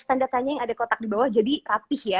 tanda tanya yang ada kotak di bawah jadi rapih ya